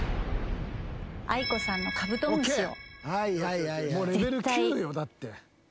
ａｉｋｏさんの『カブトムシ』を。